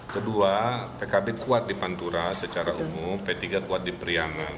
kedua pkb kuat di pantura secara umum p tiga kuat di priaman